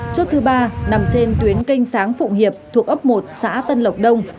chốt thứ ba nằm trên tuyến kênh sáng phụng hiệp thuộc ấp một xã tân lộc đông